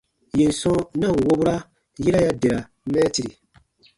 Yèn sɔ̃ na ǹ wobura, yera ya dera mɛɛtiri.